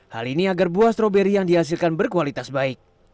hal ini agar buah stroberi yang dihasilkan berkualitas baik